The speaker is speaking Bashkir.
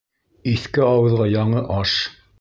Иҫке ауыҙға яңы аш!